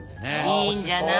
いいんじゃない。